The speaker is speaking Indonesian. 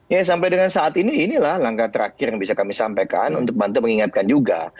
ya sampai dengan saat ini inilah langkah terakhir yang bisa kami sampaikan untuk bantu mengingatkan juga